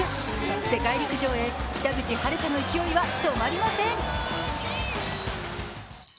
世界陸上へ北口榛花の勢いは止まりません。